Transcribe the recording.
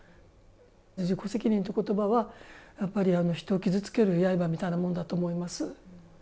自己責任って言葉はやっぱり人を傷つけるやいばみたいなものだと思います。